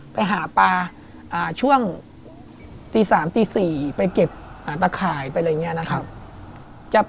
ไปหาปลาช่วงตี๓ตี๔ไปเก็บตะข่ายไปอะไรอย่างนี้นะครับ